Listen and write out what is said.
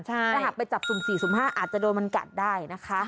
ถ้าหากไปจับศูนย์ศูนย์ศูนย์ฟ้าอาจจะโดนมันกัดได้นะคะ